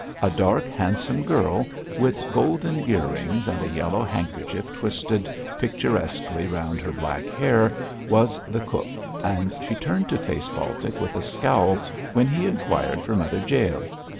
A dark, handsome girl, with golden earrings, and a yellow handkerchief twisted picturesquely round her black hair, was the cook, and she turned to face Baltic with a scowl when he inquired for Mother Jael.